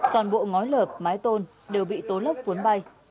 toàn bộ ngói lợp mái tôn đều bị tố lốc cuốn bay